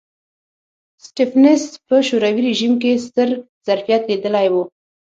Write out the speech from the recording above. سټېفنس په شوروي رژیم کې ستر ظرفیت لیدلی و